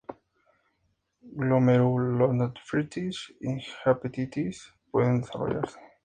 Glomerulonefritis y hepatitis pueden desarrollarse.